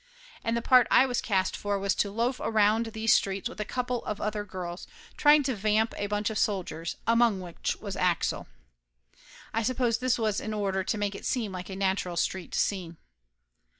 And Laughter Limited 135 the part I was cast for was to loaf around these streets with a couple of other girls, trying to vamp a bunch of soldiers, among which was Axel. I suppose this was in order to make it seem like a natural street scene.